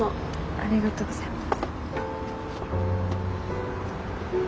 ありがとうございます。